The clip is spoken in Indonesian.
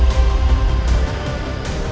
sampai jumpa lagi